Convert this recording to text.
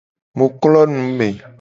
Mu klo nume.